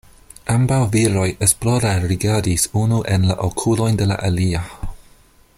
Ambaŭ viroj esplore rigardis unu en la okulojn de la alia.